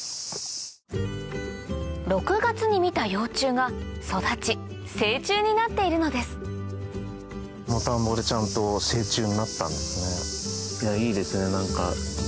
６月に見た幼虫が育ち成虫になっているのですいいですね何か。